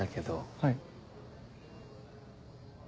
はい。